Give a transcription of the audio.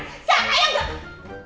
siapa yang berani